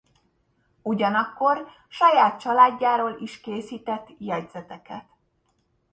Ugyanakkor saját családjáról is készített jegyzeteket.